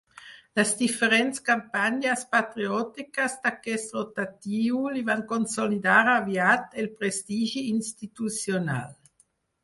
Les diferents campanyes patriòtiques d'aquest rotatiu li van consolidar aviat el prestigi institucional.